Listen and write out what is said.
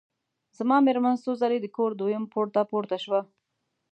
زما مېرمن څو ځلي د کور دویم پوړ ته پورته شوه.